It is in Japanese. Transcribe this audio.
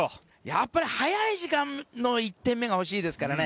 やっぱり早い時間の１点目が欲しいですからね。